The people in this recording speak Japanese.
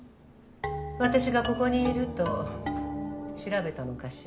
私がここにいると調べたのかしら？